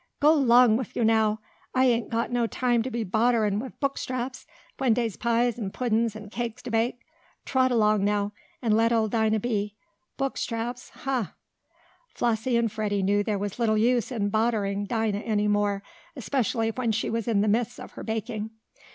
"Go 'long wif yo' now! I ain't got no time to be bodderin' wif book straps, when dey's pies an' puddin's an' cakes t' bake. Trot along now, an' let ole Dinah be! Book straps! Huh!" Flossie and Freddie knew there was little use in "bodderin'" Dinah any more, especially when she was in the midst of her baking.